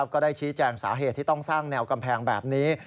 ก็ได้ชี้แจงสาเหตุที่ต้องสร้างแนวกำแพงแบบนี้